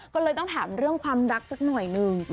ก็เลยต้องถามเรื่องความรักสักหน่อยหนึ่ง